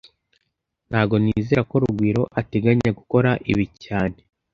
Ntago nizera ko Rugwiro ateganya gukora ibi cyane